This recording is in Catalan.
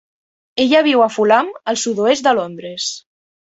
Ella viu a Fulham, al sud-oest de Londres.